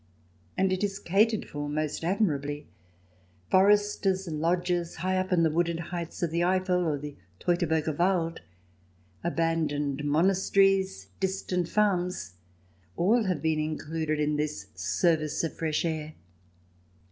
And it is catered for most admirably. Foresters' lodges high up in the wooded heights of the Eiffel or the Teutobiirger Wald, abandoned monasteries, distant farms — all have been included in this service of fresh air.